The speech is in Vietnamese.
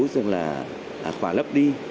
dường là khỏa lấp đi